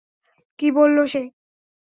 কী বললো সে?